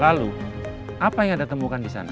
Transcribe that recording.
lalu apa yang anda temukan disana